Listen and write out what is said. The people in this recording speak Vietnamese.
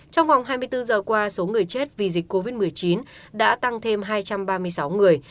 trong vòng hai mươi bốn giờ qua số người chết vì dịch covid một mươi chín đã tăng thêm hai trăm ba mươi sáu người